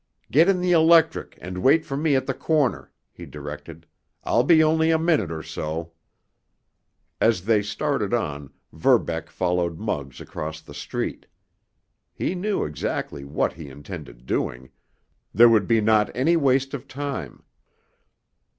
"Get in the electric and wait for me at the corner," he directed. "I'll be only a minute or so." As they started on, Verbeck followed Muggs across the street. He knew exactly what he intended doing; there would not be any waste of time.